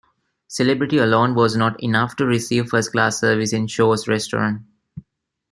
Celebrity alone was not enough to receive first-class service in Shor's restaurant.